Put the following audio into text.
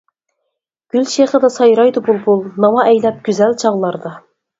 گۈل شېخىدا سايرايدۇ بۇلبۇل، ناۋا ئەيلەپ گۈزەل چاغلاردا.